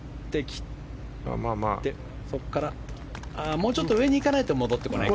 もうちょっと上にいかないと戻ってこないか。